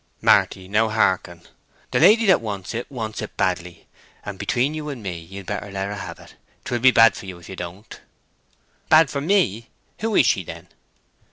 "Marty, now hearken. The lady that wants it wants it badly. And, between you and me, you'd better let her have it. 'Twill be bad for you if you don't." "Bad for me? Who is she, then?"